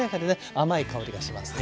甘い香りがしますね。